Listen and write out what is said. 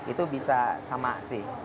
itu bisa sama sih